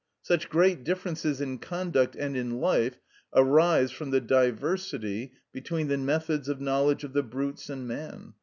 Such great differences in conduct and in life arise from the diversity between the methods of knowledge of the brutes and man.